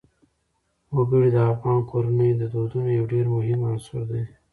وګړي د افغان کورنیو د دودونو یو ډېر مهم عنصر دی.